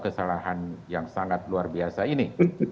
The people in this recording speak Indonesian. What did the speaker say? kesalahan yang sangat luar biasa ini